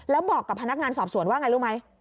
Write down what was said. แล้วบอกกับพนักงานสอบสวนว่าไงรู้ไหม